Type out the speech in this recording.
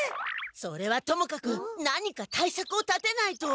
それはともかく何かたいさくを立てないと。